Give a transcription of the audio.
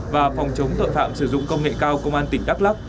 và phòng chống tội phạm sử dụng công nghệ cao công an tỉnh đắk lắc